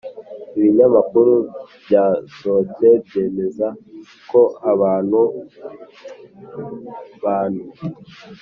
ibinyamakuru byasohotse byemeza ko aba bantu